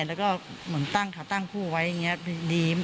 แล้วก็ตั้งกทะตั้งผู้ไว้แบบนี้